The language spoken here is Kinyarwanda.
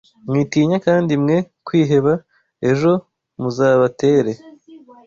Mwitinya kandi mwe kwiheba; ejo muzabatere,